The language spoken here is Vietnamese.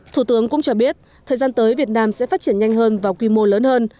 thủ tướng cũng cho biết thời gian tới việt nam sẽ phát triển nhanh hơn và quy mô lớn hơn